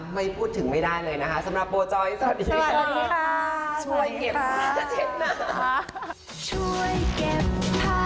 ไม่พูดถึงไม่ได้เลยนะคะสำหรับโป้จอยสวัสดีค่ะ